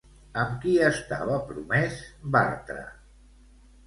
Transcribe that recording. Amb qui estava promès Bartra?